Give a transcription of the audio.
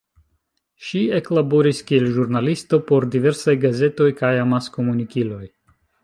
Ŝi eklaboris kiel ĵurnalisto por diversaj gazetoj kaj amaskomunikiloj.